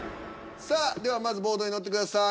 さあではまずボードに乗ってください。